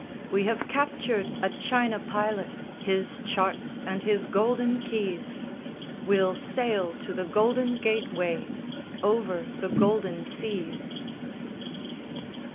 We have captured a China pilot, his charts and his golden keys: We'll sail to the golden Gateway, over the golden seas.